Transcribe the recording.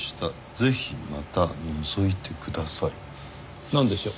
「ぜひまた覗いてください」なんでしょう？